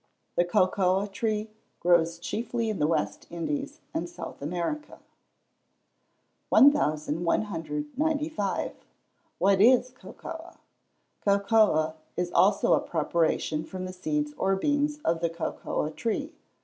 The cocoa tree grows chiefly in the West Indies and South America. 1195. What is cocoa? Cocoa is also a preparation from the seeds or beans of the cocoa tree.